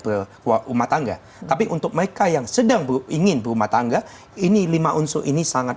berumah tangga tapi untuk mereka yang sedang ingin berumah tangga ini lima unsur ini sangat